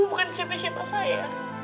bukan siapa siapa saya